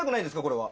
これは。